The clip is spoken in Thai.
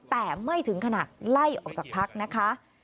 แต่ไม่ถึงขนาดไล่ออกจากพักนะคะ